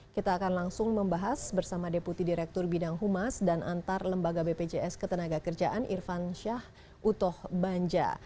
kita akan langsung membahas bersama deputi direktur bidang humas dan antar lembaga bpjs ketenaga kerjaan irfan syah utoh banja